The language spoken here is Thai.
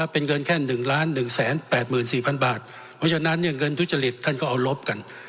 เป็นเงินแค่๑๑๘๔๐๐๐บาทเพราะฉะนั้นเงินทุจริตท่านก็เอาลบกัน